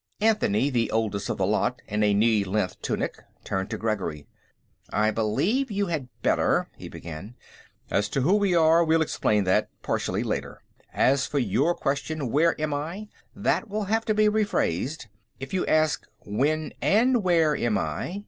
Anthony the oldest of the lot, in a knee length tunic turned to Gregory. "I believe you had better...." he began. "As to who we are, we'll explain that, partially, later. As for your question, 'Where am I?' that will have to be rephrased. If you ask, 'When and where am I?'